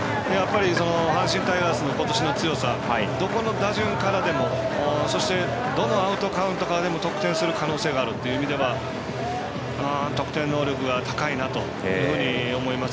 阪神タイガースのことしの強さどこの打順からでもそしてどのアウトカウントからでも得点する可能性があるという意味では得点能力が高いなというふうに思います。